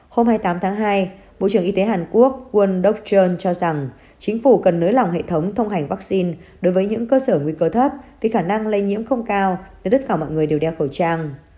hôm hai mươi tám tháng hai bộ trưởng y tế hàn quốc world dockchaon cho rằng chính phủ cần nới lỏng hệ thống thông hành vaccine đối với những cơ sở nguy cơ thấp vì khả năng lây nhiễm không cao nên tất cả mọi người đều đeo khẩu trang